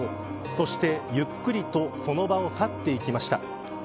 そして、ゆっくりとその場を去っていきました。